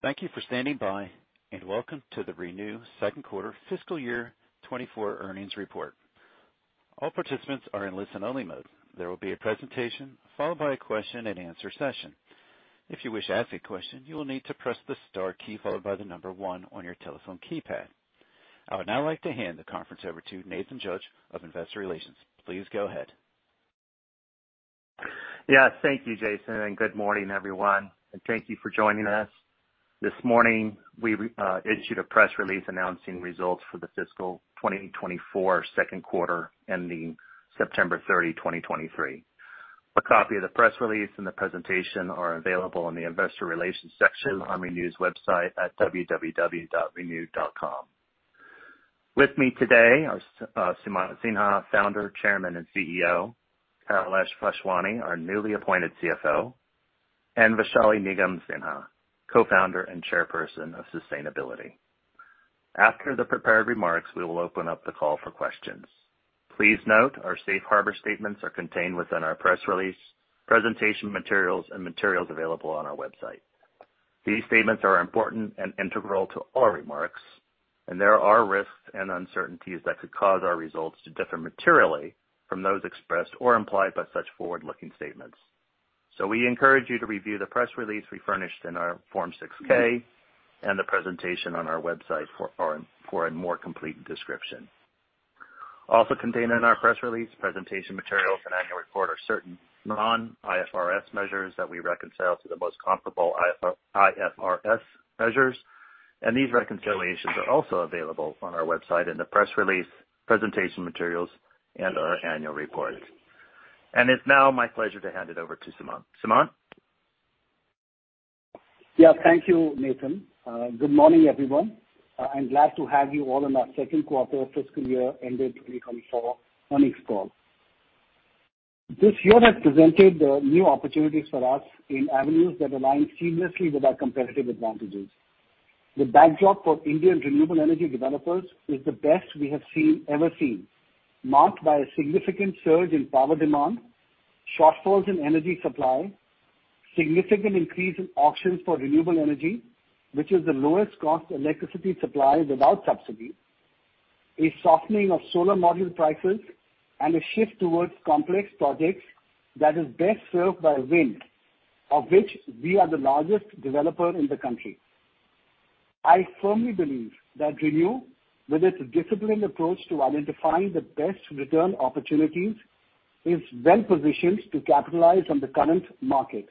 Thank you for standing by, and welcome to the ReNew Second Quarter Fiscal Year 2024 Earnings Report. All participants are in listen-only mode. There will be a presentation followed by a question-and-answer session. If you wish to ask a question, you will need to press the star key followed by the number 1 on your telephone keypad. I would now like to hand the conference over to Nathan Judge of Investor Relations. Please go ahead. Yeah, thank you, Jason, and good morning, everyone, and thank you for joining us. This morning, we issued a press release announcing results for the fiscal 2024 second quarter, ending September 30, 2023. A copy of the press release and the presentation are available in the investor relations section on ReNew's website at www.renew.com. With me today are Sumant Sinha, Founder, Chairman, and CEO, Kailash Vaswani, our newly appointed CFO, and Vaishali Nigam Sinha, Co-Founder and Chairperson of Sustainability. After the prepared remarks, we will open up the call for questions. Please note, our safe harbor statements are contained within our press release, presentation materials, and materials available on our website. These statements are important and integral to all remarks, and there are risks and uncertainties that could cause our results to differ materially from those expressed or implied by such forward-looking statements. We encourage you to review the press release we furnished in our Form 6-K and the presentation on our website for a more complete description. Also contained in our press release, presentation materials, and annual report are certain non-IFRS measures that we reconcile to the most comparable IFRS measures, and these reconciliations are also available on our website in the press release, presentation materials, and our annual report. It's now my pleasure to hand it over to Sumant. Sumant? Yeah. Thank you, Nathan. Good morning, everyone. I'm glad to have you all on our second quarter fiscal year ended 2024 earnings call. This year has presented new opportunities for us in avenues that align seamlessly with our competitive advantages. The backdrop for Indian renewable energy developers is the best we have seen, ever seen, marked by a significant surge in power demand, shortfalls in energy supply, significant increase in auctions for renewable energy, which is the lowest-cost electricity supply without subsidy, a softening of solar module prices, and a shift towards complex projects that is best served by wind, of which we are the largest developer in the country. I firmly believe that ReNew, with its disciplined approach to identifying the best return opportunities, is well positioned to capitalize on the current market.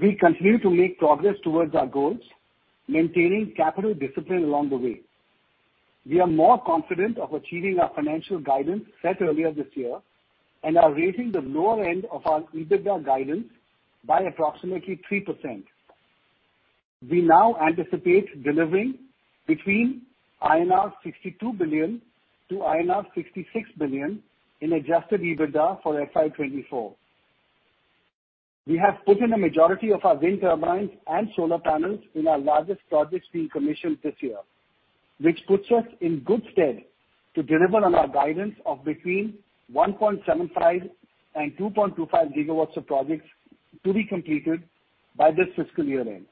We continue to make progress towards our goals, maintaining capital discipline along the way. We are more confident of achieving our financial guidance set earlier this year and are raising the lower end of our EBITDA guidance by approximately 3%. We now anticipate delivering between 62 billion-66 billion INR in adjusted EBITDA for FY 2024. We have put in a majority of our wind turbines and solar panels in our largest projects being commissioned this year, which puts us in good stead to deliver on our guidance of between 1.75 and 2.25 gigawatts of projects to be completed by this fiscal year-end.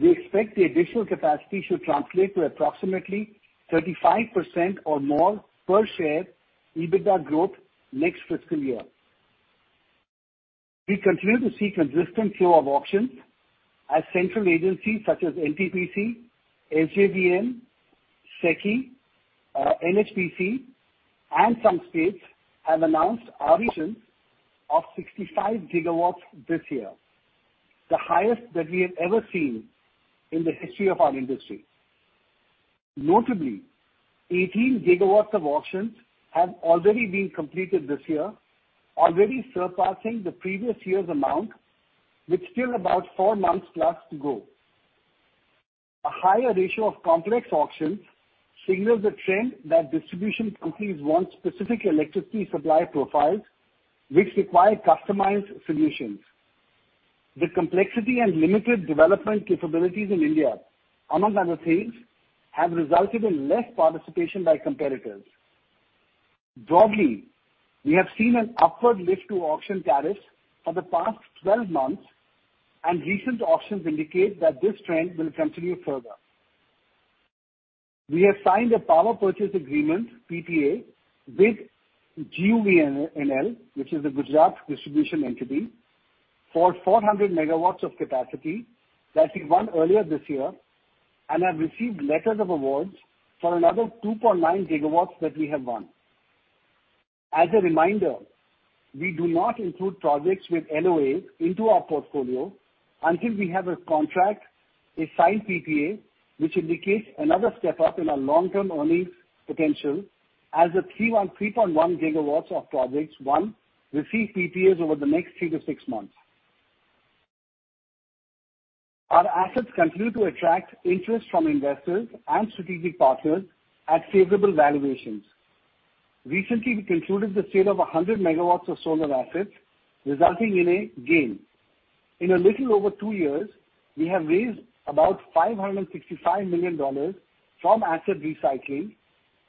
We expect the additional capacity should translate to approximately 35% or more per share EBITDA growth next fiscal year. We continue to see consistent flow of auctions as central agencies such as NTPC, SJVN, SECI, NHPC, and some states have announced auctions of 65 gigawatts this year, the highest that we have ever seen in the history of our industry. Notably, 18 gigawatts of auctions have already been completed this year, already surpassing the previous year's amount, with still about four months left to go. A higher ratio of complex auctions signals a trend that distribution companies want specific electricity supply profiles, which require customized solutions. The complexity and limited development capabilities in India, among other things, have resulted in less participation by competitors. Broadly, we have seen an upward lift to auction tariffs for the past 12 months, and recent auctions indicate that this trend will continue further. We have signed a power purchase agreement, PPA, with GUVNL, which is a Gujarat distribution entity, for 400 MW of capacity that we won earlier this year, and have received letters of award for another 2.9 GW that we have won. As a reminder, we do not include projects with LOAs into our portfolio until we have a contract, a signed PPA, which indicates another step up in our long-term earnings potential as the 3.1 GW of projects won receive PPAs over the next three to six months. Our assets continue to attract interest from investors and strategic partners at favorable valuations. Recently, we concluded the sale of 100 MW of solar assets, resulting in a gain. In a little over two years, we have raised about $565 million from asset recycling,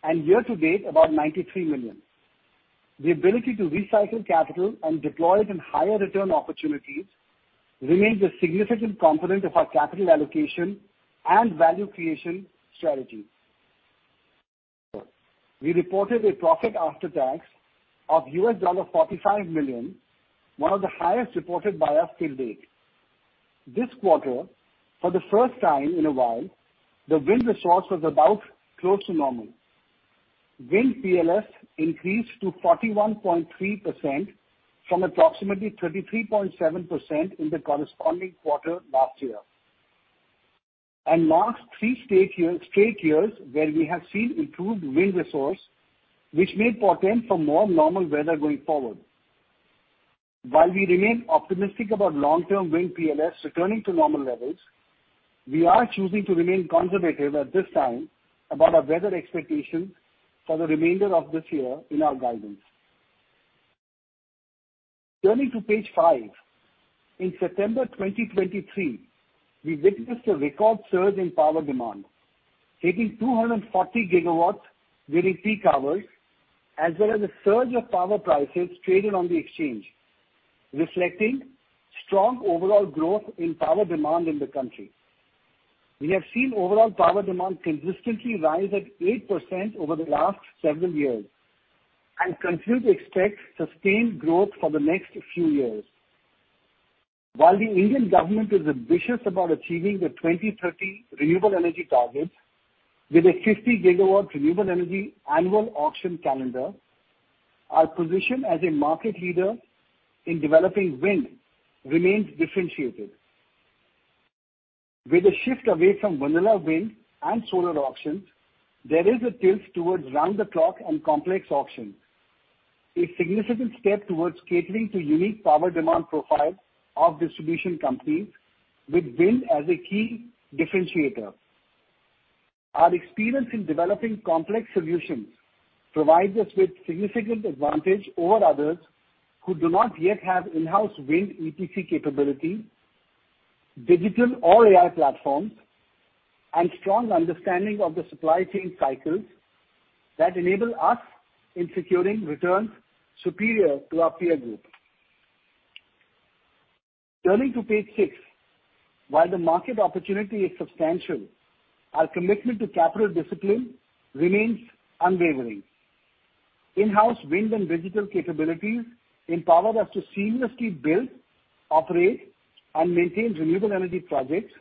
and year to date, about $93 million. The ability to recycle capital and deploy it in higher return opportunities remains a significant component of our capital allocation and value creation strategy. We reported a profit after tax of $45 million, one of the highest reported by us till date. This quarter, for the first time in a while, the wind resource was about close to normal. Wind PLF increased to 41.3% from approximately 33.7% in the corresponding quarter last year. Last three straight years where we have seen improved wind resource, which may portend for more normal weather going forward. While we remain optimistic about long-term wind PLF returning to normal levels, we are choosing to remain conservative at this time about our weather expectations for the remainder of this year in our guidance. Turning to page 5. In September 2023, we witnessed a record surge in power demand, hitting 240 gigawatts during peak hours, as well as a surge of power prices traded on the exchange, reflecting strong overall growth in power demand in the country. We have seen overall power demand consistently rise at 8% over the last several years and continue to expect sustained growth for the next few years. While the Indian government is ambitious about achieving the 2030 renewable energy targets with a 50 GW renewable energy annual auction calendar, our position as a market leader in developing wind remains differentiated. With a shift away from vanilla wind and solar auctions, there is a tilt toward round-the-clock and complex auctions, a significant step toward catering to unique power demand profile of distribution companies with wind as a key differentiator. Our experience in developing complex solutions provides us with significant advantage over others who do not yet have in-house wind EPC capability, digital or AI platforms, and strong understanding of the supply chain cycles that enable us in securing returns superior to our peer group. Turning to page 6. While the market opportunity is substantial, our commitment to capital discipline remains unwavering. In-house wind and digital capabilities empower us to seamlessly build, operate, and maintain renewable energy projects,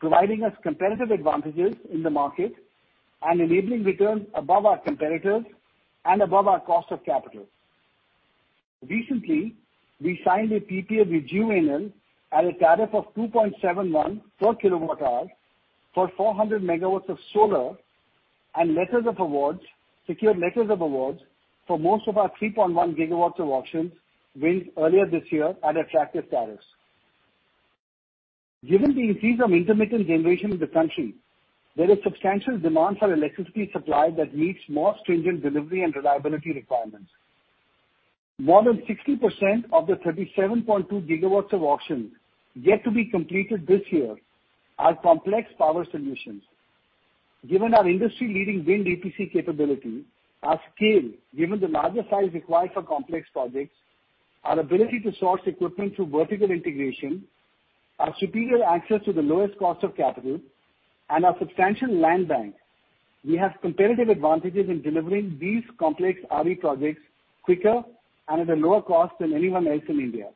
providing us competitive advantages in the market and enabling returns above our competitors and above our cost of capital. Recently, we signed a PPA with GUVNL at a tariff of 2.71/kWh for 400 MW of solar and letters of award, secured letters of award for most of our 3.1 GW of auction wins earlier this year at attractive tariffs. Given the increase of intermittent generation in the country, there is substantial demand for electricity supply that meets more stringent delivery and reliability requirements. More than 60% of the 37.2 GW of auctions yet to be completed this year are complex power solutions. Given our industry-leading wind EPC capability, our scale, given the larger size required for complex projects, our ability to source equipment through vertical integration, our superior access to the lowest cost of capital, and our substantial land bank, we have competitive advantages in delivering these complex RE projects quicker and at a lower cost than anyone else in India.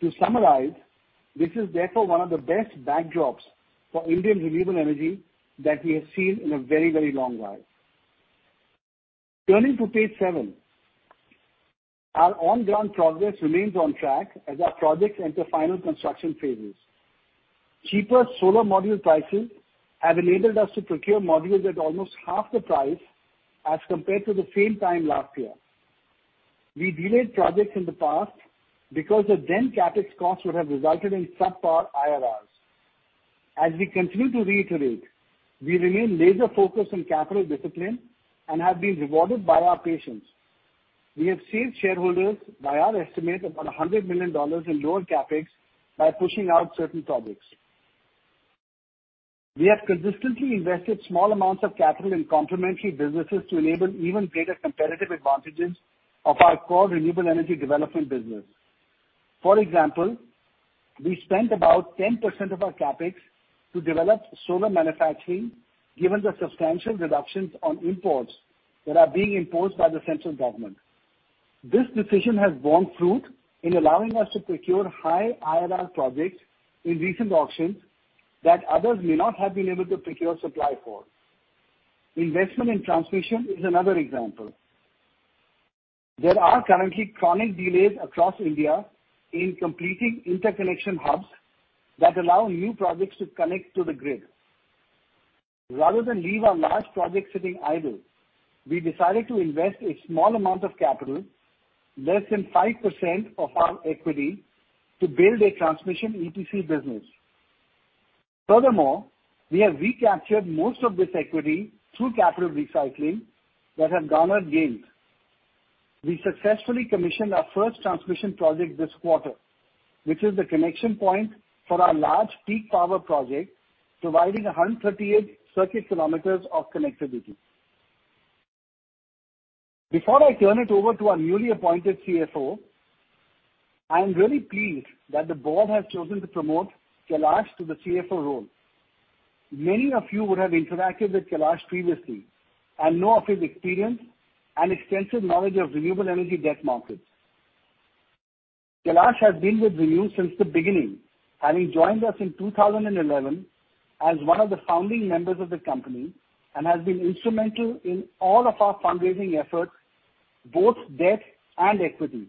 To summarize, this is therefore one of the best backdrops for Indian renewable energy that we have seen in a very, very long while. Turning to page 7. Our on-ground progress remains on track as our projects enter final construction phases. Cheaper solar module prices have enabled us to procure modules at almost half the price as compared to the same time last year. We delayed projects in the past because the then CapEx costs would have resulted in subpar IRRs. As we continue to reiterate, we remain laser-focused on capital discipline and have been rewarded by our patience. We have saved shareholders, by our estimate, about $100 million in lower CapEx by pushing out certain projects. We have consistently invested small amounts of capital in complementary businesses to enable even greater competitive advantages of our core renewable energy development business. For example, we spent about 10% of our CapEx to develop solar manufacturing, given the substantial reductions on imports that are being imposed by the central government. This decision has borne fruit in allowing us to procure high IRR projects in recent auctions that others may not have been able to procure supply for. Investment in transmission is another example. There are currently chronic delays across India in completing interconnection hubs that allow new projects to connect to the grid. Rather than leave our large project sitting idle, we decided to invest a small amount of capital, less than 5% of our equity, to build a transmission EPC business. Furthermore, we have recaptured most of this equity through capital recycling that have garnered gains. We successfully commissioned our first transmission project this quarter, which is the connection point for our large peak power project, providing 138 circuit kilometers of connectivity. Before I turn it over to our newly appointed CFO, I am really pleased that the board has chosen to promote Kailash to the CFO role. Many of you would have interacted with Kailash previously and know of his experience and extensive knowledge of renewable energy debt markets. Kailash has been with ReNew since the beginning, having joined us in 2011 as one of the founding members of the company, and has been instrumental in all of our fundraising efforts, both debt and equity.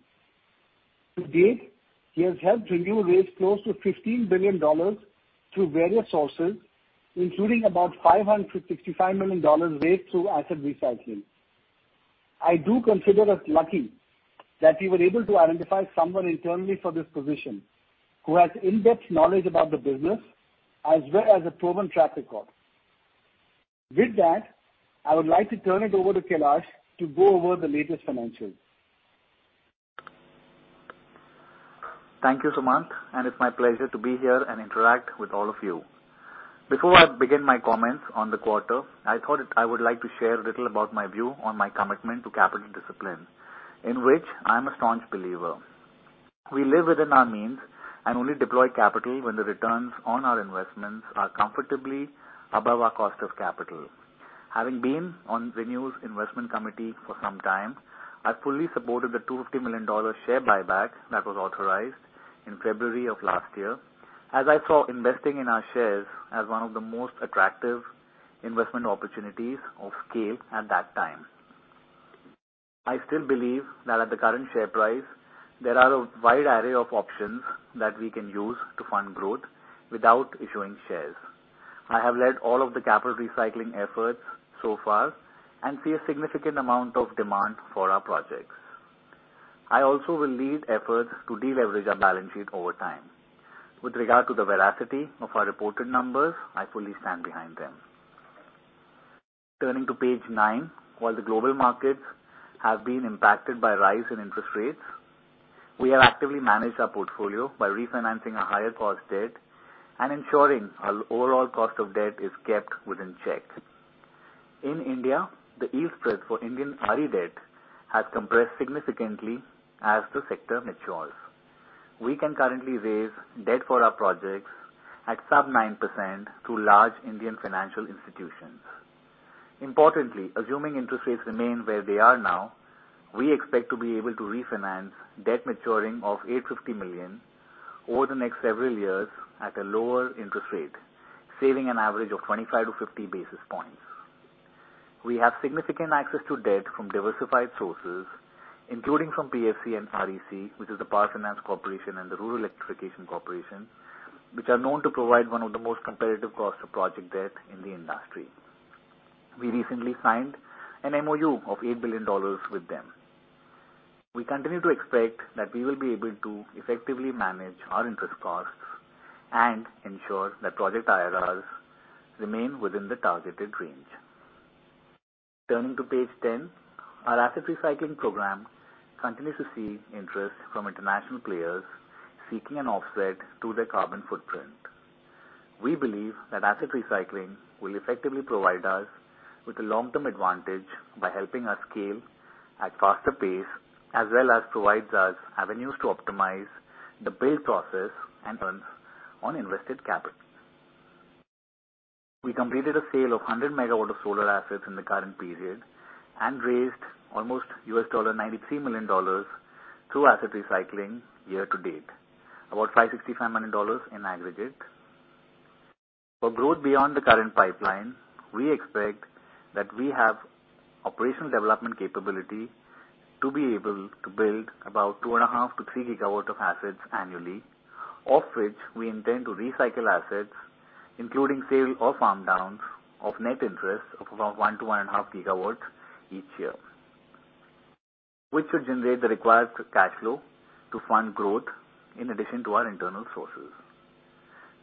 To date, he has helped ReNew raise close to $15 billion through various sources, including about $565 million raised through asset recycling. I do consider us lucky that we were able to identify someone internally for this position, who has in-depth knowledge about the business, as well as a proven track record. With that, I would like to turn it over to Kailash to go over the latest financials. Thank you, Sumant, and it's my pleasure to be here and interact with all of you. Before I begin my comments on the quarter, I thought I would like to share a little about my view on my commitment to capital discipline, in which I am a staunch believer. We live within our means and only deploy capital when the returns on our investments are comfortably above our cost of capital. Having been on ReNew's investment committee for some time, I fully supported the $250 million share buyback that was authorized in February of last year, as I saw investing in our shares as one of the most attractive investment opportunities of scale at that time. I still believe that at the current share price, there are a wide array of options that we can use to fund growth without issuing shares. I have led all of the capital recycling efforts so far and see a significant amount of demand for our projects. I also will lead efforts to deleverage our balance sheet over time. With regard to the veracity of our reported numbers, I fully stand behind them. Turning to page 9. While the global markets have been impacted by rise in interest rates, we have actively managed our portfolio by refinancing a higher cost debt and ensuring our overall cost of debt is kept within check. In India, the yield spread for Indian RE debt has compressed significantly as the sector matures. We can currently raise debt for our projects at sub-9% through large Indian financial institutions. Importantly, assuming interest rates remain where they are now, we expect to be able to refinance debt maturing of $850 million over the next several years at a lower interest rate, saving an average of 25-50 basis points. We have significant access to debt from diversified sources, including from PFC and REC, which is the Power Finance Corporation and the Rural Electrification Corporation, which are known to provide one of the most competitive cost of project debt in the industry. We recently signed an MOU of $8 billion with them. We continue to expect that we will be able to effectively manage our interest costs and ensure that project IRRs remain within the targeted range. Turning to page 10. Our asset recycling program continues to see interest from international players seeking an offset to their carbon footprint. We believe that asset recycling will effectively provide us with a long-term advantage by helping us scale at faster pace, as well as provides us avenues to optimize the build process and returns on invested capital. We completed a sale of 100 MW of solar assets in the current period and raised almost $93 million through asset recycling year to date, about $565 million in aggregate. For growth beyond the current pipeline, we expect that we have operational development capability to be able to build about 2.5-3 GW of assets annually, of which we intend to recycle assets, including sale or farm downs of net interest of about 1-1.5 GW each year, which should generate the required cash flow to fund growth in addition to our internal sources.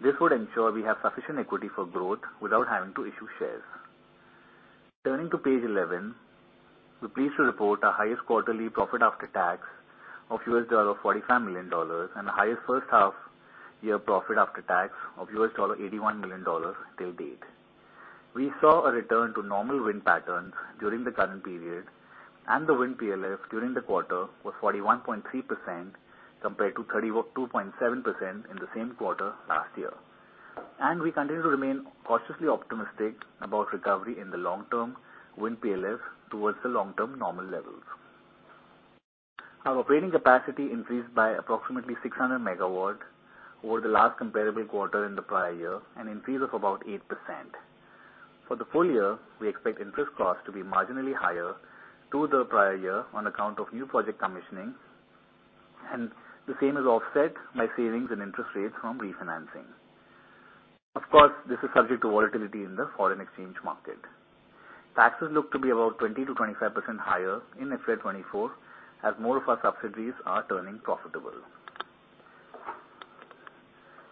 This would ensure we have sufficient equity for growth without having to issue shares. Turning to page 11. We're pleased to report our highest quarterly profit after tax of $45 million, and the highest first half year profit after tax of $81 million to date. We saw a return to normal wind patterns during the current period, and the wind PLF during the quarter was 41.3%, compared to 32.7% in the same quarter last year. We continue to remain cautiously optimistic about recovery in the long term wind PLFs towards the long-term normal levels. Our operating capacity increased by approximately 600 MW over the last comparable quarter in the prior year, an increase of about 8%. For the full year, we expect interest costs to be marginally higher to the prior year on account of new project commissioning, and the same is offset by savings and interest rates from refinancing. Of course, this is subject to volatility in the foreign exchange market. Taxes look to be about 20%-25% higher in FY 2024, as more of our subsidiaries are turning profitable.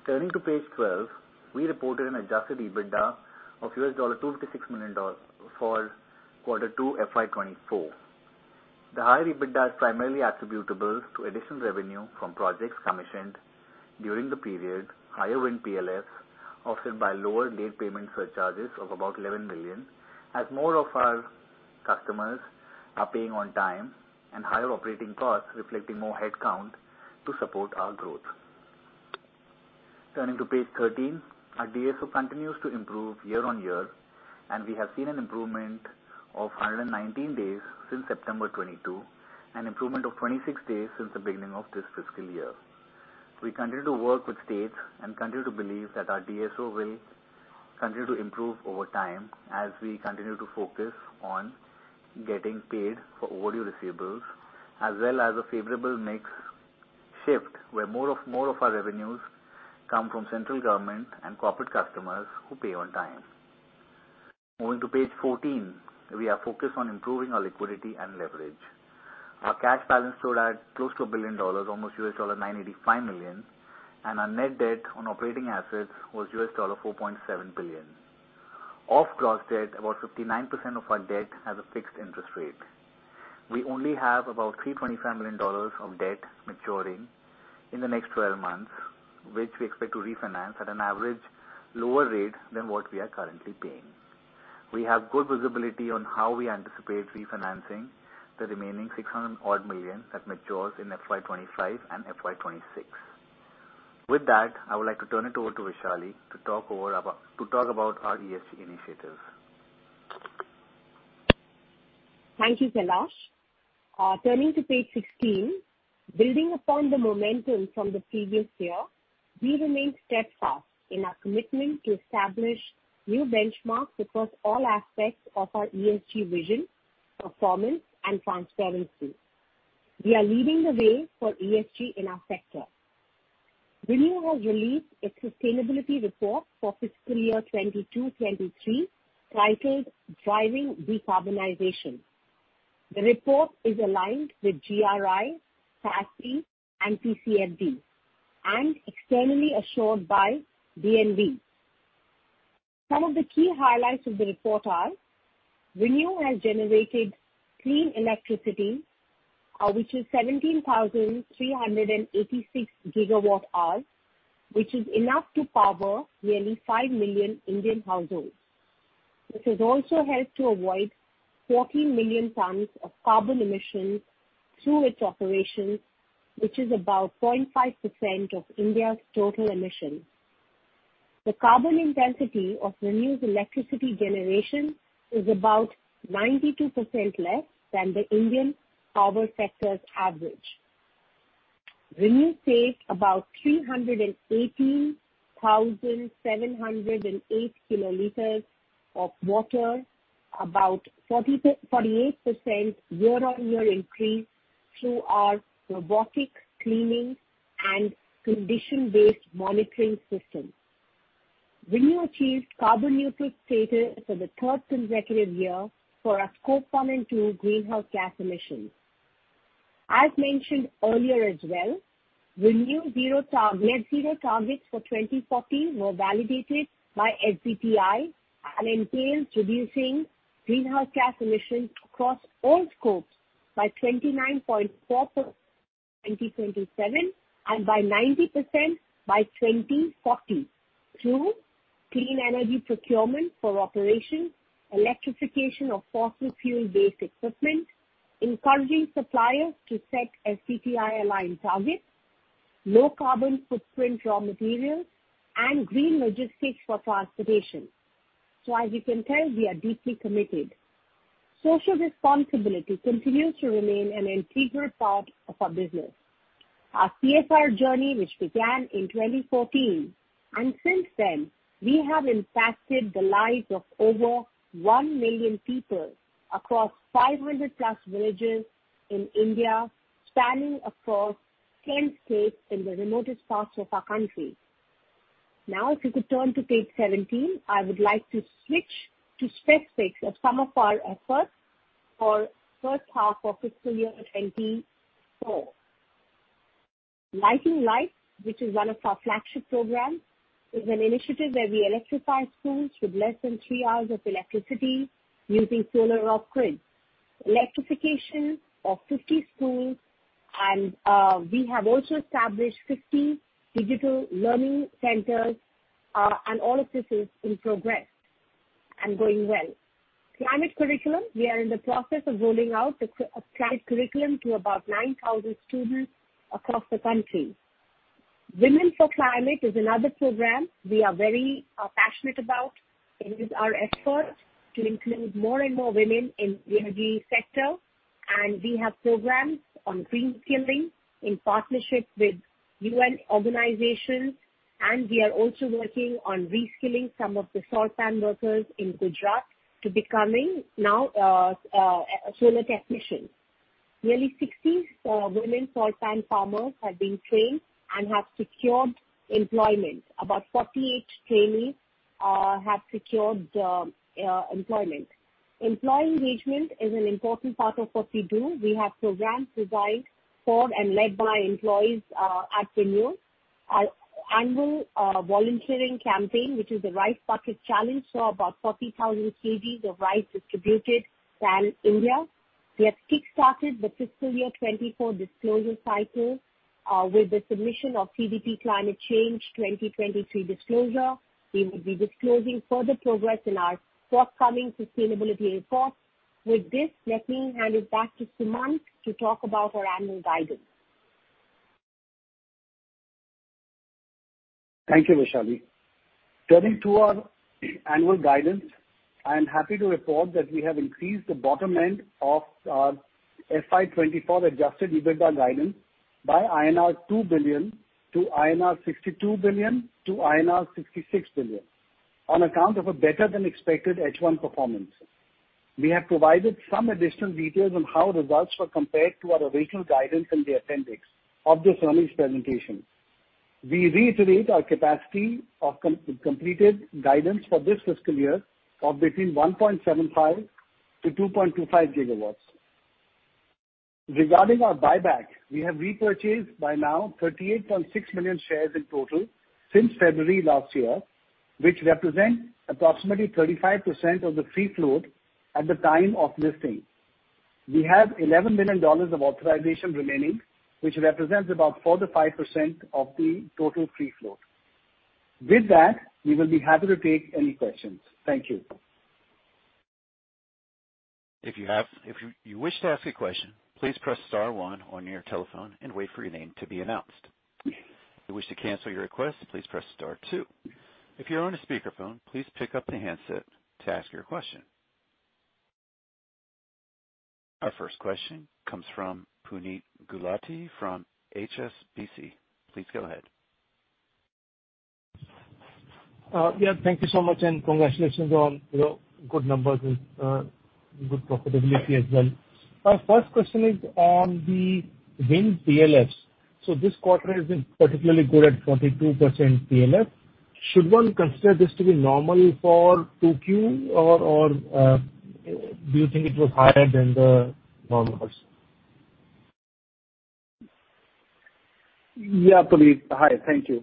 Turning to page 12, we reported an adjusted EBITDA of $256 million for quarter 2, FY 2024. The higher EBITDA is primarily attributable to additional revenue from projects commissioned during the period, higher wind PLFs, offset by lower late payment surcharges of about $11 million, as more of our customers are paying on time, and higher operating costs, reflecting more headcount to support our growth. Turning to page 13, our DSO continues to improve year on year, and we have seen an improvement of 119 days since September 2022, an improvement of 26 days since the beginning of this fiscal year. We continue to work with states and continue to believe that our DSO will continue to improve over time as we continue to focus on getting paid for overdue receivables, as well as a favorable mix shift, where more of, more of our revenues come from central government and corporate customers who pay on time. Moving to page 14, we are focused on improving our liquidity and leverage. Our cash balance stood at close to $1 billion, almost $985 million, and our net debt on operating assets was $4.7 billion. Of gross debt, about 59% of our debt has a fixed interest rate. We only have about $325 million of debt maturing in the next 12 months, which we expect to refinance at an average lower rate than what we are currently paying. We have good visibility on how we anticipate refinancing the remaining $600-odd million that matures in FY 2025 and FY 2026. With that, I would like to turn it over to Vaishali to talk about our ESG initiatives. Thank you, Kailash. Turning to page 16, building upon the momentum from the previous year, we remain steadfast in our commitment to establish new benchmarks across all aspects of our ESG vision, performance, and transparency. We are leading the way for ESG in our sector. ReNew has released a sustainability report for fiscal year 2022-2023, titled Driving Decarbonization. The report is aligned with GRI, SASB, and TCFD, and externally assured by DNV. Some of the key highlights of the report are: ReNew has generated clean electricity, which is 17,386 GWh, which is enough to power nearly five million Indian households. This has also helped to avoid 14 million tons of carbon emissions through its operations, which is about 0.5% of India's total emissions. The carbon intensity of ReNew's electricity generation is about 92% less than the Indian power sector's average. ReNew saved about 318,708 kiloliters of water, about 48, 48% year-on-year increase through our robotic cleaning and condition-based monitoring systems. ReNew achieved carbon neutral status for the third consecutive year for our scope one and two greenhouse gas emissions. As mentioned earlier as well, ReNew net zero targets for 2040 were validated by SBTi, and entails reducing greenhouse gas emissions across all scopes by 29.4% by 2027, and by 90% by 2040, through clean energy procurement for operations, electrification of fossil fuel-based equipment, encouraging suppliers to set SBTi aligned targets, low carbon footprint raw materials, and green logistics for transportation. So as you can tell, we are deeply committed. Social responsibility continues to remain an integral part of our business. Our CSR journey, which began in 2014, and since then, we have impacted the lives of over 1 million people across 500+ villages in India, spanning across 10 states in the remotest parts of our country. Now, if you could turn to page 17, I would like to switch to specifics of some of our efforts for first half of fiscal year 2024. Lighting Lives, which is one of our flagship programs, is an initiative where we electrify schools with less than three hours of electricity using solar off-grid. Electrification of 50 schools, and, we have also established 50 digital learning centers, and all of this is in progress and going well. Climate curriculum. We are in the process of rolling out a climate curriculum to about 9,000 students across the country. Women for Climate is another program we are very passionate about. It is our effort to include more and more women in the energy sector, and we have programs on reskilling in partnership with UN organizations, and we are also working on reskilling some of the salt pan workers in Gujarat to becoming now solar technicians. Nearly 60 women salt pan farmers have been trained and have secured employment. About 48 trainees have secured employment. Employee engagement is an important part of what we do. We have programs designed for and led by employees at ReNew. Our annual volunteering campaign, which is the Rice Bucket Challenge, saw about 40,000 kg of rice distributed pan India. We have kick-started the fiscal year 2024 disclosure cycle, with the submission of CDP Climate Change 2023 disclosure. We will be disclosing further progress in our forthcoming sustainability report. With this, let me hand it back to Sumant to talk about our annual guidance. Thank you, Vaishali. Turning to our annual guidance, I am happy to report that we have increased the bottom end of our FY 2024 adjusted EBITDA guidance by INR 2 billion to 62 billion-66 billion INR, on account of a better than expected H1 performance. We have provided some additional details on how results were compared to our original guidance in the appendix of this earnings presentation. We reiterate our capacity of completed guidance for this fiscal year of between 1.75-2.25 GW. Regarding our buyback, we have repurchased by now 38.6 million shares in total since February last year, which represent approximately 35% of the free float at the time of listing. We have $11 million of authorization remaining, which represents about 4%-5% of the total free float. With that, we will be happy to take any questions. Thank you. If you wish to ask a question, please press star one on your telephone and wait for your name to be announced. If you wish to cancel your request, please press star two. If you're on a speakerphone, please pick up the handset to ask your question. Our first question comes from Puneet Gulati from HSBC. Please go ahead. Yeah, thank you so much, and congratulations on, you know, good numbers and, good profitability as well. Our first question is on the wind PLFs. So this quarter has been particularly good at 42% PLF. Should one consider this to be normal for 2Q or do you think it was higher than the normals? Yeah, Puneet. Hi, thank you.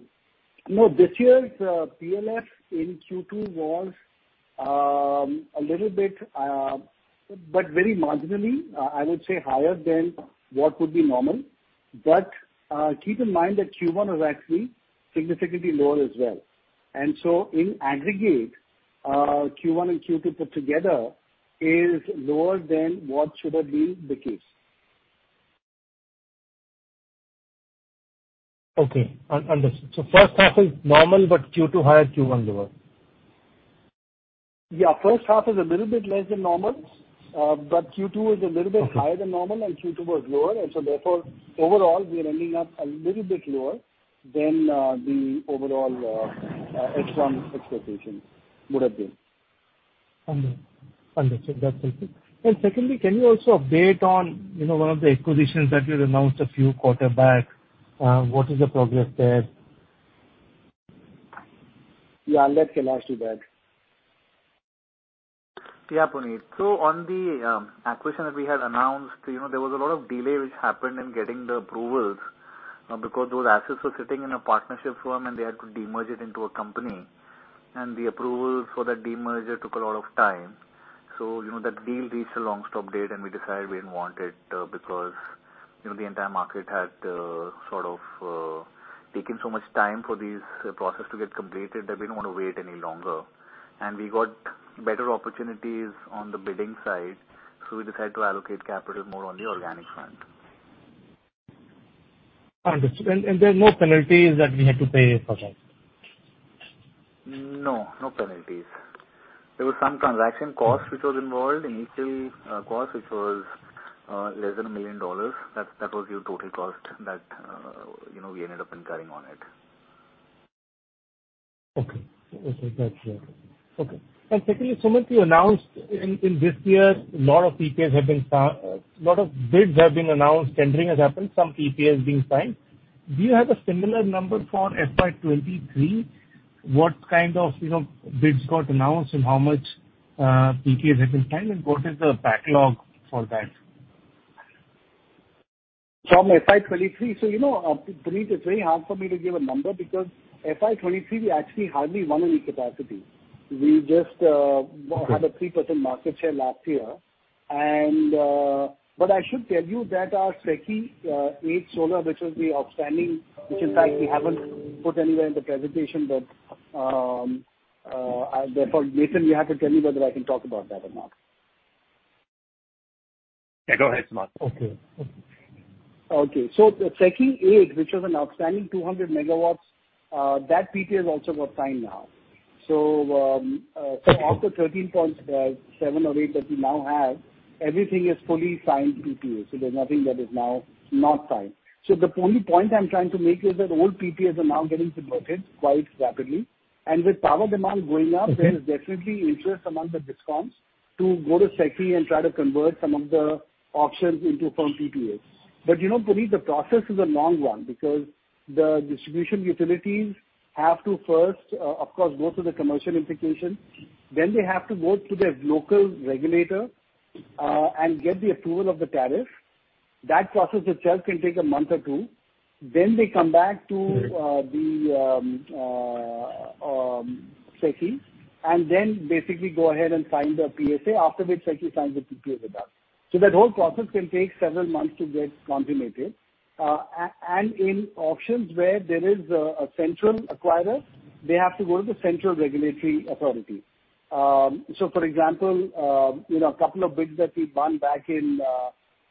No, this year's PLF in Q2 was a little bit, but very marginally, I would say higher than what would be normal. But, keep in mind that Q1 was actually significantly lower as well. And so in aggregate, Q1 and Q2 put together is lower than what should have been the case. Okay, understood. So first half is normal, but Q2 higher, Q1 lower? Yeah, first half is a little bit less than normal, but Q2 is a little bit- Okay. - higher than normal, and Q2 was lower. And so therefore, overall, we are ending up a little bit lower than the overall H1 expectations would have been. Understood. Understood. That's helpful. And secondly, can you also update on, you know, one of the acquisitions that you announced a few quarters back? What is the progress there? Yeah, I'll let Kailash to that. Yeah, Puneet. So on the acquisition that we had announced, you know, there was a lot of delay which happened in getting the approvals, because those assets were sitting in a partnership firm, and they had to demerge it into a company. And the approval for that demerger took a lot of time. So, you know, that deal reached a long stop date, and we decided we didn't want it, because, you know, the entire market had sort of taken so much time for this process to get completed, that we don't want to wait any longer. And we got better opportunities on the bidding side, so we decided to allocate capital more on the organic front. Understood. And there are no penalties that we had to pay for that? No, no penalties. There was some transaction cost which was involved, initial cost, which was less than $1 million. That, that was the total cost that, you know, we ended up incurring on it. Okay. Okay, that's clear. Okay. And secondly, Sumant, you announced in, in this year, a lot of bids have been announced, tendering has happened, some PPA has been signed. Do you have a similar number for FY 2023? What kind of, you know, bids got announced, and how much PPAs have been signed, and what is the backlog for that? From FY 2023, so, you know, Puneet, it's very hard for me to give a number because FY 2023, we actually hardly won any capacity. We just had a 3% market share last year. And, but I should tell you that our SECI 8 solar, which was the outstanding, which in fact, we haven't put anywhere in the presentation, but therefore, Nathan, you have to tell me whether I can talk about that or not. Yeah, go ahead, Sumant. Okay. Okay. Okay. So the SECI 8, which was an outstanding 200 MW, that PPA has also got signed now. So of the 13.7 or 8 that we now have, everything is fully signed PPA, so there's nothing that is now not signed. So the only point I'm trying to make is that old PPAs are now getting converted quite rapidly, and with power demand going up- Okay. There is definitely interest among the discoms to go to SECI and try to convert some of the options into firm PPAs. But, you know, Puneet, the process is a long one because the distribution utilities have to first, of course, go to the commercial implication, then they have to go to their local regulator and get the approval of the tariff. That process itself can take a month or two. Then they come back to the SECI, and then basically go ahead and sign the PSA, after which SECI signs the PPA with us. So that whole process can take several months to get consummated. And in auctions where there is a central acquirer, they have to go to the central regulatory authority. So for example, you know, a couple of bids that we won back in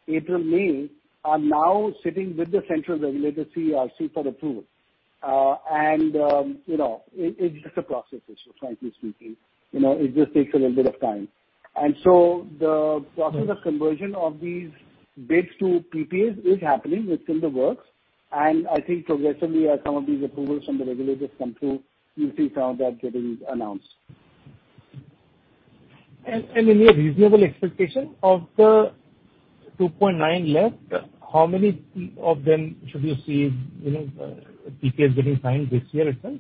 April, May, are now sitting with the central regulator, CERC, for approval. And you know, it's just a process issue, frankly speaking. You know, it just takes a little bit of time. And so the process of conversion of these bids to PPAs is happening, it's in the works, and I think progressively as some of these approvals from the regulators come through, you'll see some of that getting announced. Any reasonable expectation of the 2.9 left, how many of them should you see, you know, PPAs getting signed this year itself?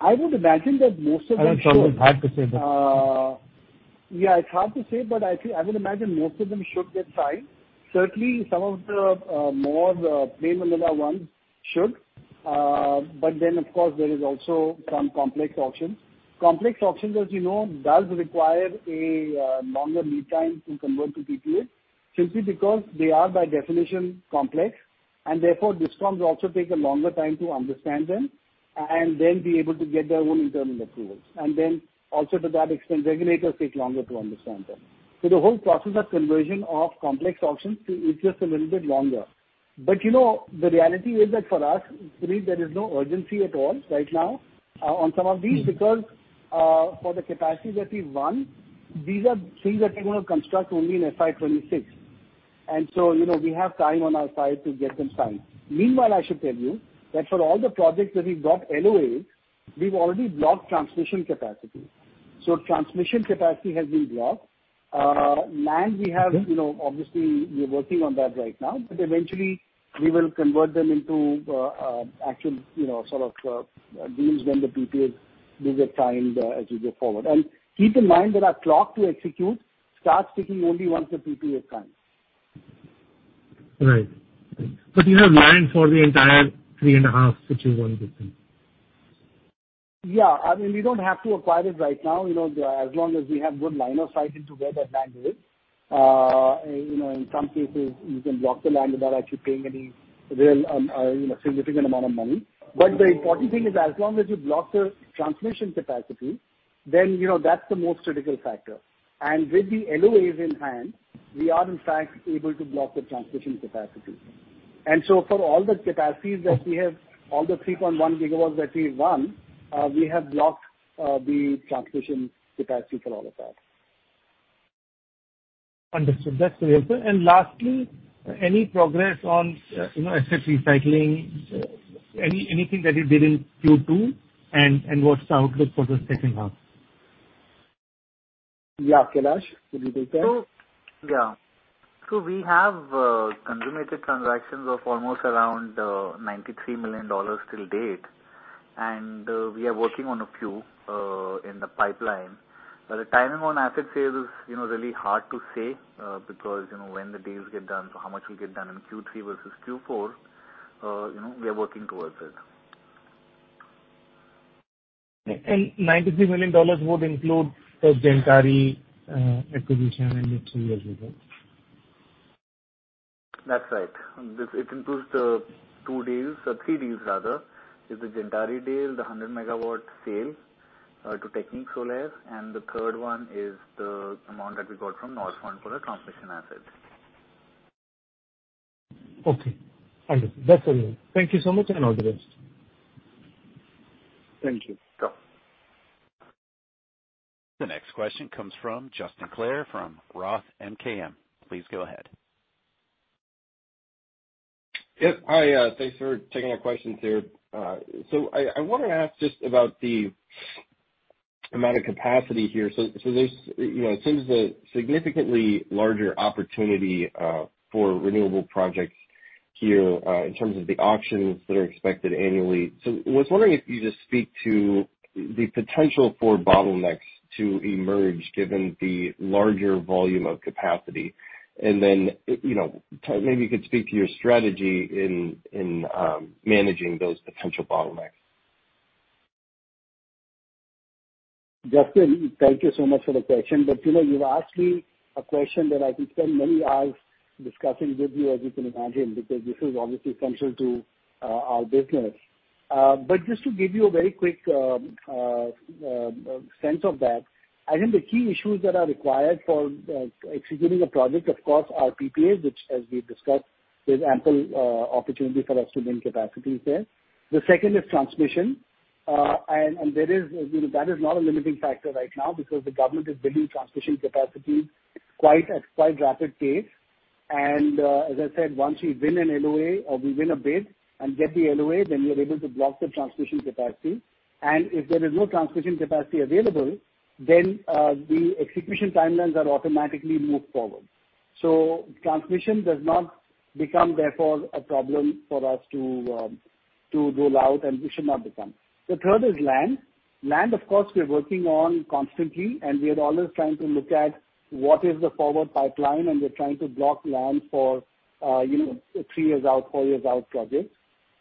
I would imagine that most of them should. I know it's always hard to say, but- Yeah, it's hard to say, but I think, I would imagine most of them should get signed. Certainly, some of the more plain vanilla ones should. But then, of course, there is also some complex auctions. Complex auctions, as you know, does require a longer lead time to convert to PPA, simply because they are by definition complex, and therefore discoms also take a longer time to understand them and then be able to get their own internal approvals. And then also to that extent, regulators take longer to understand them. So the whole process of conversion of complex auctions is just a little bit longer. But, you know, the reality is that for us, really there is no urgency at all right now on some of these- Mm. because, for the capacities that we've won, these are things that we're going to construct only in FY 2026. And so, you know, we have time on our side to get them signed. Meanwhile, I should tell you that for all the projects that we've got LOAs, we've already blocked transmission capacity. So transmission capacity has been blocked. Land we have- Mm-hmm. You know, obviously we're working on that right now, but eventually we will convert them into actual, you know, sort of deals when the PPAs do get signed, as we go forward. Keep in mind that our clock to execute starts ticking only once the PPA is signed. Right. But you have land for the entire 3.5, which you won this thing? Yeah. I mean, we don't have to acquire it right now, you know, as long as we have good line of sight into where that land is. You know, in some cases, you can block the land without actually paying any real, you know, significant amount of money. But the important thing is, as long as you block the transmission capacity, then, you know, that's the most critical factor. And with the LOAs in hand, we are in fact able to block the transmission capacity. And so for all the capacities that we have, all the 3.1 gigawatts that we've won, we have blocked the transmission capacity for all of that. Understood. That's clear. And lastly, any progress on, you know, asset recycling? Anything that you did in Q2, and what's the outlook for the second half? Yeah, Kailash, will you take that? So, yeah. So we have consummated transactions of almost around $93 million till date, and we are working on a few in the pipeline. But the timing on asset sales is, you know, really hard to say, because, you know, when the deals get done, so how much will get done in Q3 versus Q4, you know, we are working towards it. $93 million would include the Gentari acquisition and two years ago? That's right. This, it includes the two deals, or three deals rather, is the Gentari deal, the 100 MW sale to Technique Solaire, and the third one is the amount that we got from Northland for the transmission assets. Okay. Understood. That's all. Thank you so much, and all the best. Thank you. Sure. The next question comes from Justin Clare from Roth MKM. Please go ahead. Yep. Hi, thanks for taking our questions here. So I want to ask just about the amount of capacity here. So there's, you know, it seems a significantly larger opportunity for renewable projects here in terms of the auctions that are expected annually. So I was wondering if you just speak to the potential for bottlenecks to emerge, given the larger volume of capacity. And then, you know, maybe you could speak to your strategy in managing those potential bottlenecks. Justin, thank you so much for the question, but you know, you've asked me a question that I can spend many hours discussing with you, as you can imagine, because this is obviously central to our business. But just to give you a very quick sense of that, I think the key issues that are required for executing a project, of course, are PPAs, which, as we've discussed, there's ample opportunity for us to win capacities there. The second is transmission. And there is, you know, that is not a limiting factor right now because the government is building transmission capacity quite at quite rapid pace. And as I said, once we win an LOA or we win a bid and get the LOA, then we are able to block the transmission capacity. And if there is no transmission capacity available, then, the execution timelines are automatically moved forward. So transmission does not become, therefore, a problem for us to, to roll out, and it should not become. The third is land. Land, of course, we are working on constantly, and we are always trying to look at what is the forward pipeline, and we're trying to block land for, you know, three years out, four years out projects.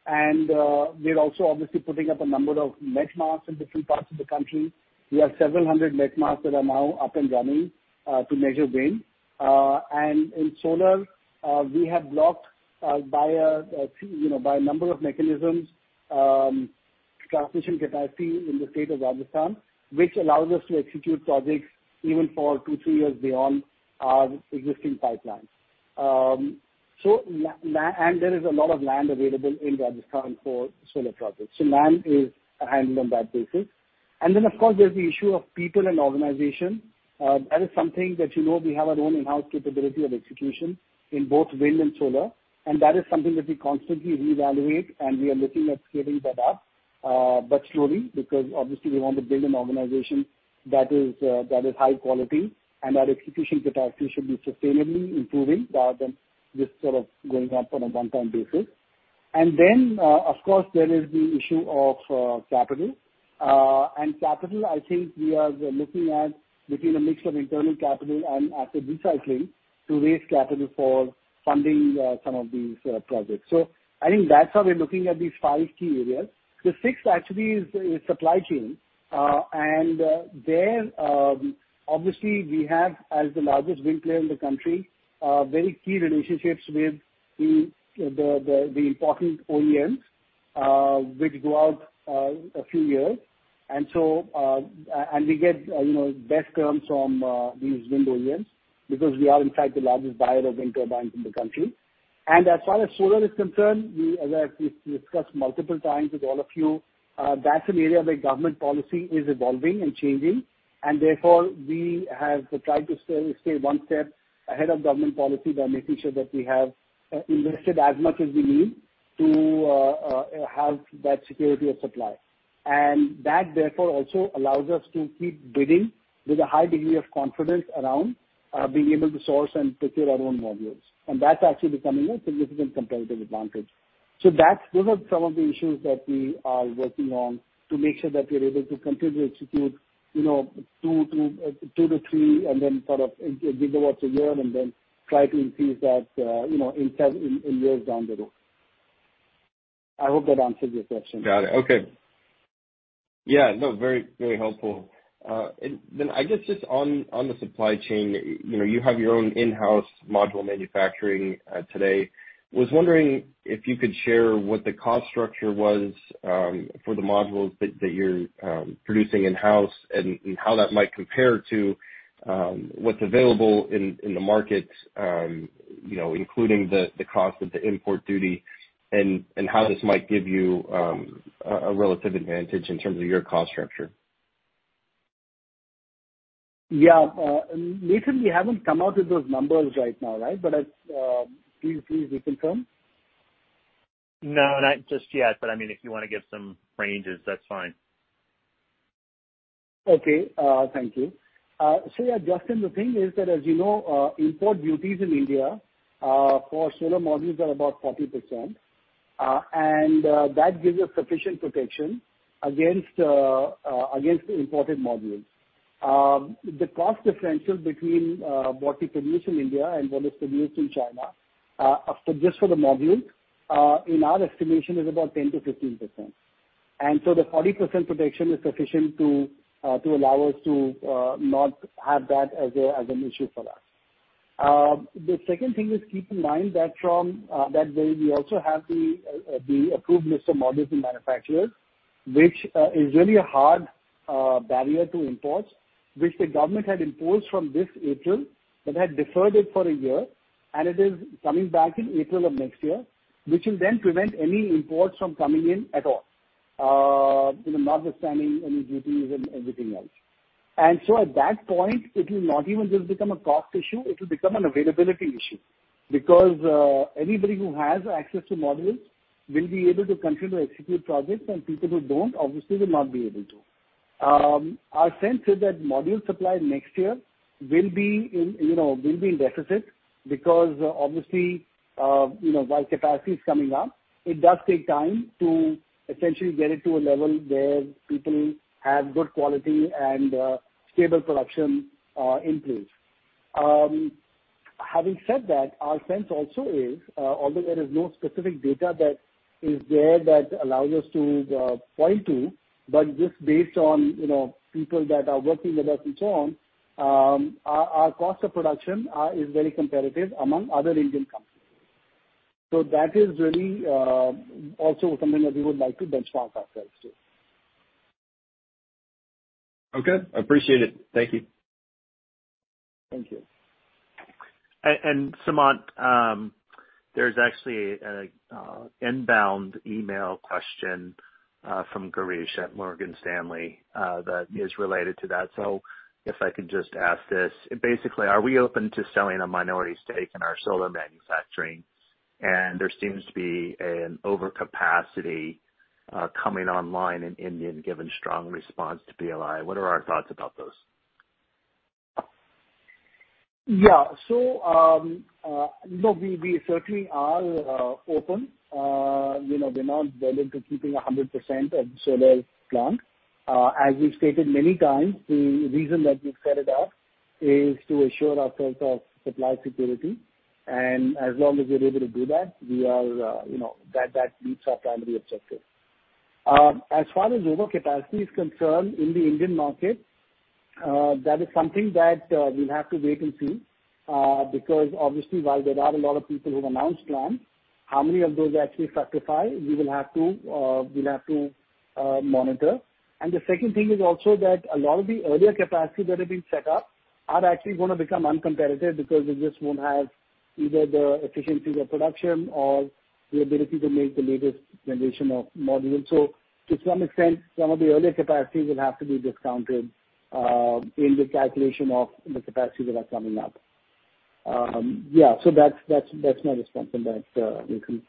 And, we're also obviously putting up a number of met masts in different parts of the country. We have several hundred met masts that are now up and running, to measure wind. In solar, we have blocked, you know, by a number of mechanisms, transmission capacity in the state of Rajasthan, which allows us to execute projects even for 2-3 years beyond our existing pipeline. There is a lot of land available in Rajasthan for solar projects, so land is handled on that basis. Then, of course, there's the issue of people and organization. That is something that, you know, we have our own in-house capability of execution in both wind and solar, and that is something that we constantly reevaluate, and we are looking at scaling that up, but slowly, because obviously we want to build an organization that is, that is high quality, and our execution capacity should be sustainably improving rather than just sort of going up on a one-time basis. And then, of course, there is the issue of capital. And capital, I think we are looking at between a mix of internal capital and asset recycling to raise capital for funding some of these projects. So I think that's how we're looking at these five key areas. The sixth actually is supply chain. And there obviously we have, as the largest wind player in the country, very key relationships with the important OEMs, which go out and we get, you know, best terms from these wind OEMs because we are in fact the largest buyer of wind turbines in the country. As far as solar is concerned, we, as I've discussed multiple times with all of you, that's an area where government policy is evolving and changing, and therefore we have tried to stay, stay one step ahead of government policy by making sure that we have invested as much as we need to have that security of supply. And that, therefore, also allows us to keep bidding with a high degree of confidence around being able to source and procure our own modules, and that's actually becoming a significant competitive advantage. Those are some of the issues that we are working on to make sure that we are able to continue to execute, you know, 2-3 GW a year, and then try to increase that, you know, in turn, in years down the road. I hope that answers your question. Got it. Okay. Yeah, no, very, very helpful. And then I guess just on the supply chain, you know, you have your own in-house module manufacturing today. Was wondering if you could share what the cost structure was for the modules that you're producing in-house, and how that might compare to what's available in the market, you know, including the cost of the import duty, and how this might give you a relative advantage in terms of your cost structure. Yeah. Nathan, we haven't come out with those numbers right now, right? But as... Please, please, you confirm. No, not just yet, but, I mean, if you wanna give some ranges, that's fine. Okay, thank you. So, yeah, Justin, the thing is that, as you know, import duties in India for solar modules are about 40%, and that gives us sufficient protection against the imported modules. The cost differential between what we produce in India and what is produced in China, after just for the modules, in our estimation, is about 10%-15%. And so the 40% protection is sufficient to allow us to not have that as an issue for us. The second thing is keep in mind that from that way, we also have the approved list of models and manufacturers, which is really a hard barrier to imports, which the government had imposed from this April, but had deferred it for a year, and it is coming back in April of next year, which will then prevent any imports from coming in at all, you know, notwithstanding any duties and everything else. And so at that point, it will not even just become a cost issue, it will become an availability issue, because anybody who has access to modules will be able to continue to execute projects, and people who don't, obviously will not be able to. Our sense is that module supply next year will be in deficit because obviously, you know, while capacity is coming up, it does take time to essentially get it to a level where people have good quality and stable production in place. Having said that, our sense also is, although there is no specific data that is there that allows us to point to, but just based on, you know, people that are working with us and so on, our cost of production is very competitive among other Indian companies. So that is really also something that we would like to benchmark ourselves to. Okay, I appreciate it. Thank you. Thank you. Sumant, there's actually an inbound email question from Girish at Morgan Stanley that is related to that. So if I could just ask this: Basically, are we open to selling a minority stake in our solar manufacturing, and there seems to be an overcapacity coming online in India, given strong response to PLI? What are our thoughts about those? Yeah. So, no, we certainly are open. You know, we're not willing to keeping 100% of solar plant. As we've stated many times, the reason that we've set it up is to assure ourselves of supply security, and as long as we're able to do that, we are, you know, that meets our primary objective. As far as overcapacity is concerned in the Indian market, that is something that we'll have to wait and see, because obviously, while there are a lot of people who've announced plans, how many of those actually rectify, we will have to monitor. The second thing is also that a lot of the earlier capacity that have been set up are actually gonna become uncompetitive because they just won't have either the efficiency of production or the ability to make the latest generation of modules. So to some extent, some of the earlier capacities will have to be discounted in the calculation of the capacities that are coming up. Yeah, so that's, that's, that's my response on that, Nathan.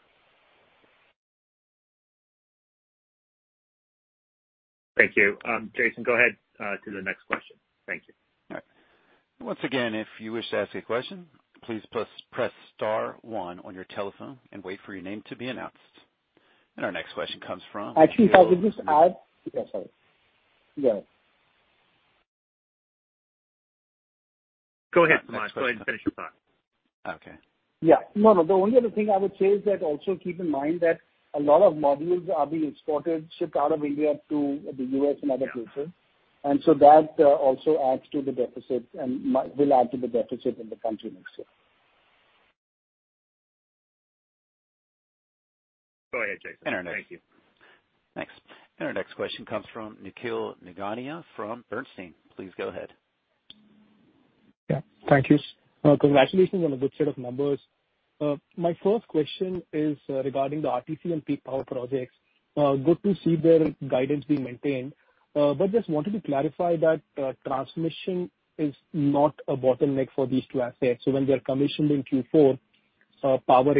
Thank you. Jason, go ahead to the next question. Thank you. All right. Once again, if you wish to ask a question, please press star one on your telephone and wait for your name to be announced. Our next question comes from- Actually, I would just add... Yeah, sorry. Yeah. Go ahead, Sumant. Go ahead and finish your thought. Okay. Yeah. No, no. The only other thing I would say is that also keep in mind that a lot of modules are being exported, shipped out of India to the U.S. and other places. And so that also adds to the deficit and might -- will add to the deficit in the country next year. Go ahead, Jason. Thank you. Our next. Thanks. Our next question comes from Nikhil Nigania from Bernstein. Please go ahead. Yeah. Thank you. Congratulations on a good set of numbers. My first question is regarding the RTC and peak power projects. Good to see their guidance being maintained, but just wanted to clarify that transmission is not a bottleneck for these two assets. So when they are commissioned in Q4, power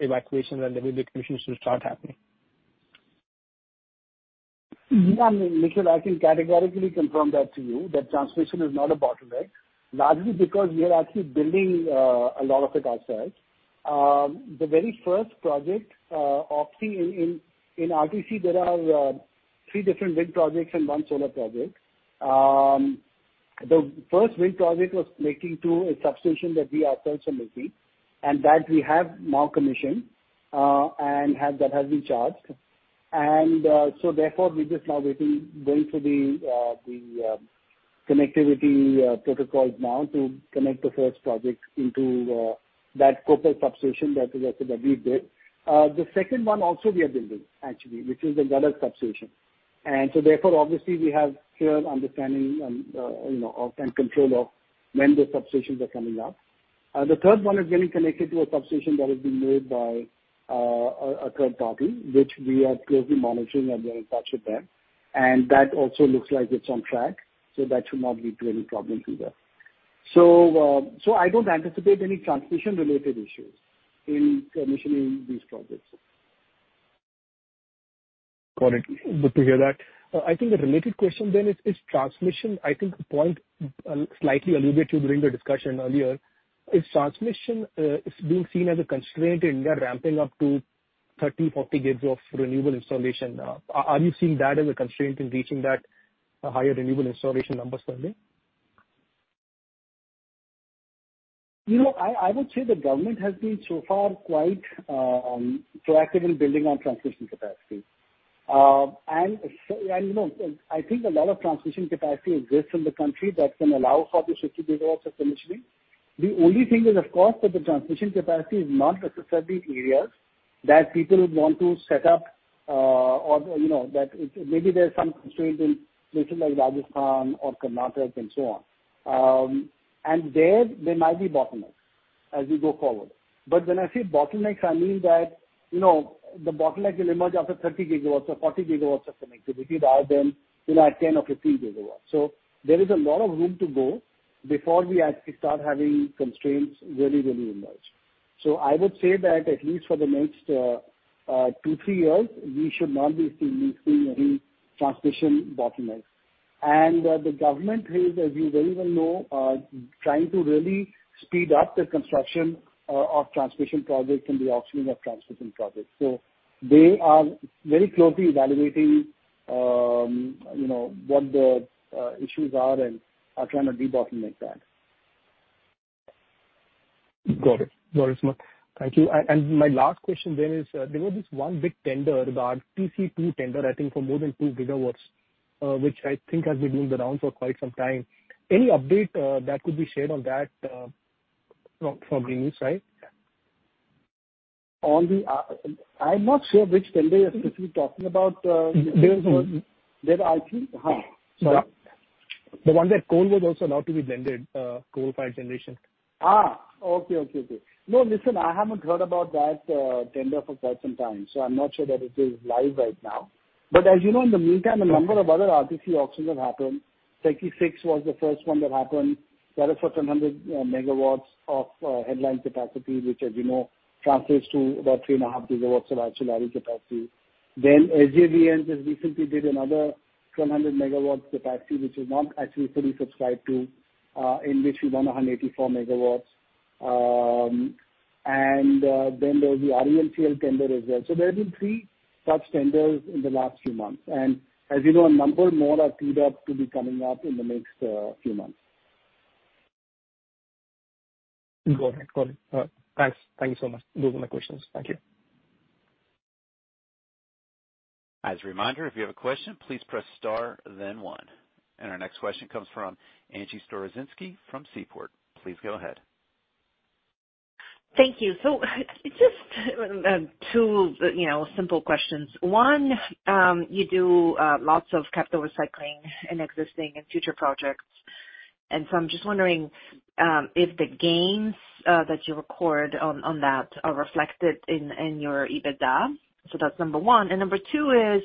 evacuation and the commissions will start happening? Yeah, Nikhil, I can categorically confirm that to you that transmission is not a bottleneck, largely because we are actually building a lot of it ourselves. The very first project, obviously in RTC, there are three different wind projects and one solar project. The first wind project was making to a substation that we ourselves are making, and that we have now commissioned, and have—that has been charged. So therefore, we're just now waiting, going through the connectivity protocols now to connect the first project into that corporate substation that we built. The second one also we are building actually, which is the Gadag substation. So therefore, obviously we have clear understanding and, you know, of and control of when the substations are coming up. The third one is getting connected to a substation that has been made by a third party, which we are closely monitoring, and we're in touch with them. That also looks like it's on track, so that should not lead to any problem either. I don't anticipate any transmission-related issues in commissioning these projects. Got it. Good to hear that. I think a related question then is, is transmission, I think the point, slightly alluded to during the discussion earlier, is transmission, is being seen as a constraint in their ramping up to 30, 40 gigawatts of renewable installation? Are you seeing that as a constraint in reaching that higher renewable installation numbers per day? You know, I would say the government has been so far quite proactive in building our transmission capacity. And so, you know, I think a lot of transmission capacity exists in the country that can allow for the 50 gigawatts of commissioning. The only thing is, of course, that the transmission capacity is not necessarily areas that people would want to set up, or, you know, that it... Maybe there are some constraints in places like Rajasthan or Karnataka and so on. And there might be bottlenecks as we go forward. But when I say bottlenecks, I mean that, you know, the bottleneck will emerge after 30 gigawatts or 40 gigawatts of connectivity, rather than, you know, 10 or 15 gigawatts. So there is a lot of room to go before we actually start having constraints really, really emerge. So I would say that at least for the next 2-3 years, we should not be seeing any transmission bottlenecks. And the government is, as you very well know, trying to really speed up the construction of transmission projects and the auctioning of transmission projects. So they are very closely evaluating, you know, what the issues are and are trying to debottleneck that. Got it. Got it, Sumant. Thank you. And my last question then is, there was this one big tender, the RTC 2 tender, I think, for more than 2 gigawatts, which I think has been doing the rounds for quite some time. Any update that could be shared on that from [Greenidge] side? On the, I'm not sure which tender you're specifically talking about. There was... There are two? Huh. Yeah. The one that coal was also allowed to be blended, coal-fired generation. Ah. Okay, okay, okay. No, listen, I haven't heard about that tender for quite some time, so I'm not sure that it is live right now. But as you know, in the meantime, a number of other RTC auctions have happened. SECI VI was the first one that happened. That is for 200 megawatts of headline capacity, which, as you know, translates to about 3.5 gigawatts of actual capacity. Then SJVN just recently did another 200 megawatts capacity, which is not actually fully subscribed to, in which we won 184 megawatts. And then there's the REMCL tender as well. So there have been three such tenders in the last few months, and as you know, a number more are teed up to be coming up in the next few months. Got it. Got it. Thanks. Thank you so much. Those are my questions. Thank you. As a reminder, if you have a question, please press star then one. Our next question comes from Angie Storozynski from Seaport. Please go ahead. Thank you. So just two, you know, simple questions. One, you do lots of capital recycling in existing and future projects, and so I'm just wondering if the gains that you record on that are reflected in your EBITDA? So that's number one. And number two is,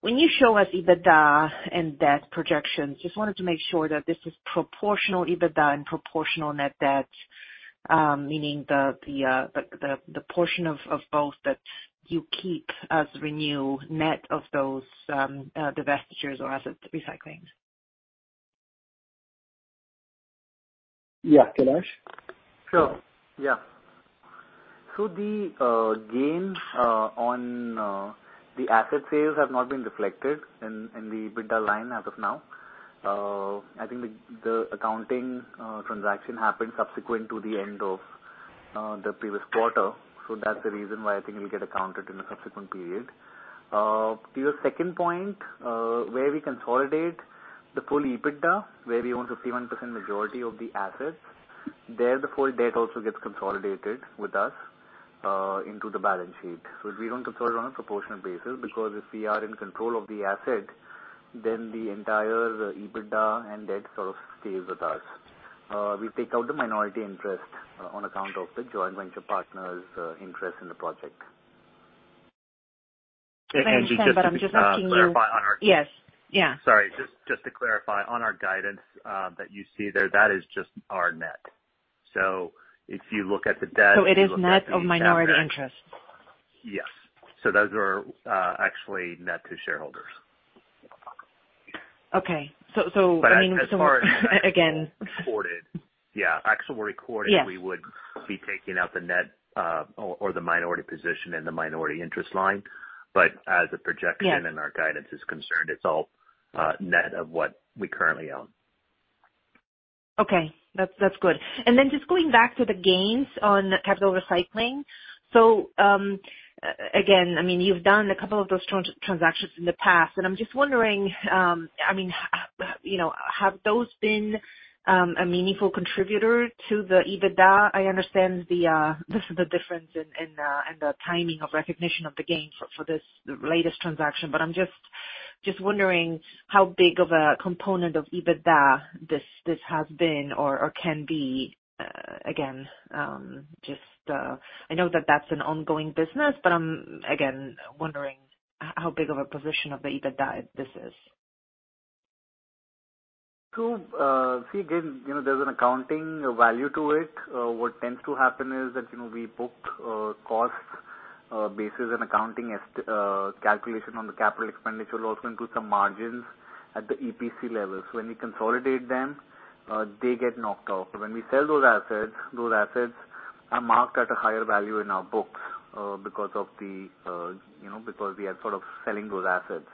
when you show us EBITDA and debt projections, just wanted to make sure that this is proportional EBITDA and proportional net debt, meaning the portion of both that you keep as ReNew net of those divestitures or asset recyclings. Yeah, Kailash? Sure. Yeah. So the gains on the asset sales have not been reflected in the EBITDA line as of now. I think the accounting transaction happened subsequent to the end of the previous quarter. So that's the reason why I think it will get accounted in the subsequent period. To your second point, where we consolidate the full EBITDA, where we own 51% majority of the assets, there the full debt also gets consolidated with us into the balance sheet. So we don't consolidate on a proportional basis, because if we are in control of the asset, then the entire EBITDA and debt sort of stays with us. We take out the minority interest on account of the joint venture partner's interest in the project. I understand, but I'm just asking you- Clarify on our- Yes. Yeah. Sorry. Just to clarify, on our guidance, that you see there, that is just our net. So if you look at the debt- So it is net of minority interest? Yes. So those are actually net to shareholders. Okay. So, I mean, again- Yeah. Actually recorded- Yes. We would be taking out the net, the minority position in the minority interest line, but as a projection- Yeah. as our guidance is concerned, it's all net of what we currently own. Okay. That's, that's good. And then just going back to the gains on capital recycling. So, again, I mean, you've done a couple of those transactions in the past, and I'm just wondering, I mean, you know, have those been a meaningful contributor to the EBITDA? I understand the difference in the timing of recognition of the gain for this, the latest transaction. But I'm just wondering how big of a component of EBITDA this has been or can be, again, just, I know that that's an ongoing business, but I'm again wondering how big of a position of the EBITDA this is. So, see, again, you know, there's an accounting value to it. What tends to happen is that, you know, we book costs, basis and accounting calculation on the capital expenditure also includes some margins at the EPC level. So when we consolidate them, they get knocked off. When we sell those assets, those assets are marked at a higher value in our books, because of the, you know, because we are sort of selling those assets.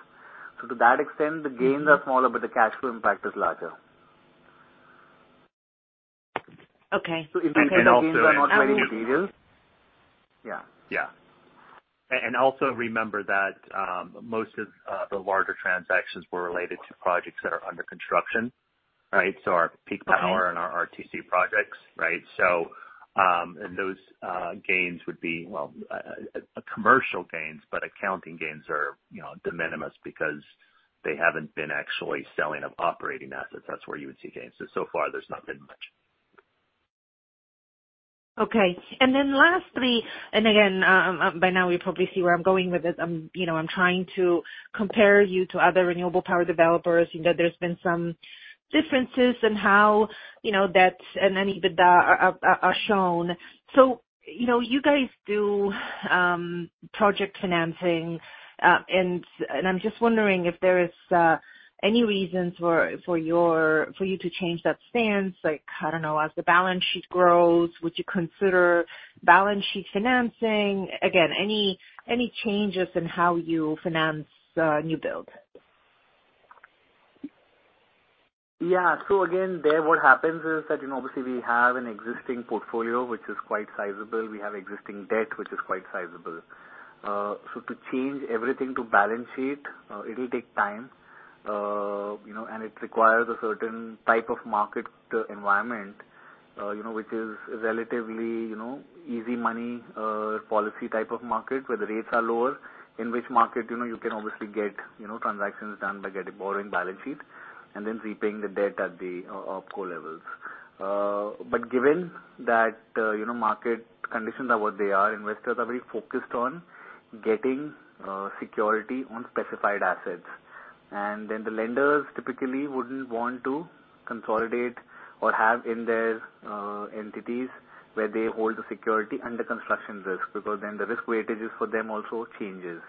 So to that extent, the gains are smaller, but the cash flow impact is larger. Okay. Independent gains are not very material. Yeah. Yeah. And also remember that most of the larger transactions were related to projects that are under construction, right? So our peak power- Right. and our RTC projects, right? So, and those gains would be, well, commercial gains, but accounting gains are, you know, de minimis because they haven't been actually selling of operating assets. That's where you would see gains. So, so far there's not been much. Okay. And then lastly, and again, by now you probably see where I'm going with this. I'm, you know, I'm trying to compare you to other renewable power developers. You know, there's been some differences in how, you know, debt and then EBITDA are shown. So, you know, you guys do project financing, and I'm just wondering if there is any reasons for you to change that stance, like, I don't know, as the balance sheet grows, would you consider balance sheet financing? Again, any changes in how you finance new build? Yeah. So again, there what happens is that, you know, obviously we have an existing portfolio, which is quite sizable. We have existing debt, which is quite sizable. So to change everything to balance sheet, it'll take time, you know, and it requires a certain type of market environment, you know, which is relatively, you know, easy money, policy type of market, where the rates are lower, in which market, you know, you can obviously get, you know, transactions done by getting borrowing balance sheet, and then repaying the debt at the opco levels. But given that, you know, market conditions are what they are, investors are very focused on getting security on specified assets. And then the lenders typically wouldn't want to consolidate or have in their entities where they hold the security under construction risk, because then the risk weightages for them also changes.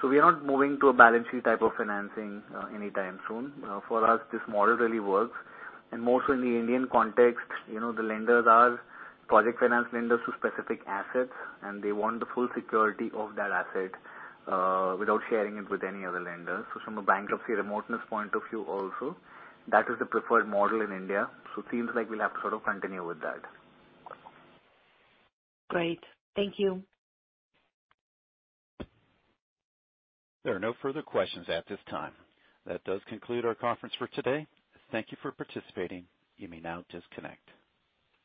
So we are not moving to a balance sheet type of financing anytime soon. For us, this model really works. And more so in the Indian context, you know, the lenders are project finance lenders to specific assets, and they want the full security of that asset without sharing it with any other lenders. So from a bankruptcy remoteness point of view also, that is the preferred model in India, so seems like we'll have to sort of continue with that. Great. Thank you. There are no further questions at this time. That does conclude our conference for today. Thank you for participating. You may now disconnect.